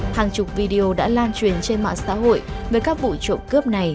hàng chục video đã lan truyền trên mạng xã hội về các vụ trộm cướp này